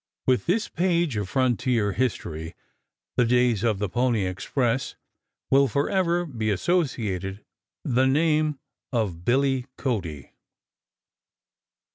With this page of frontier history the days of the Pony Express will forever be associated the name of Billy Cody.